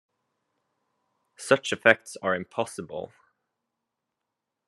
Such effects are impossible.